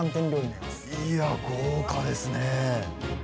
いや豪華ですね。